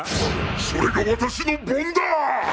それが私の盆だ！！